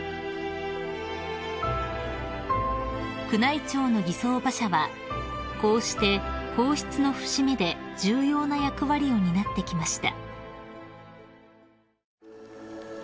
［宮内庁の儀装馬車はこうして皇室の節目で重要な役割を担ってきました］